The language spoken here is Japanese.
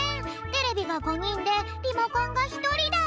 テレビが５にんでリモコンがひとりだ。